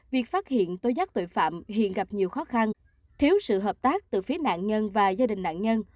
việc phát hiện tố giác tội phạm hiện gặp nhiều khó khăn thiếu sự hợp tác từ phía nạn nhân và gia đình nạn nhân